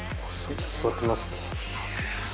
座ってみます？